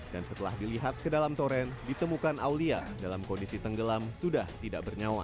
dan setelah dilihat ke dalam toren ditemukan aulia dalam kondisi tenggelam sudah tidak bernyawa